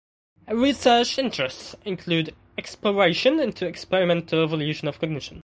Her research interests include exploration into experimental evolution of cognition.